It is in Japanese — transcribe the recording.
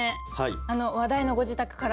あの話題のご自宅から。